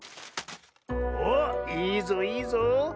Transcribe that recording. おっいいぞいいぞ。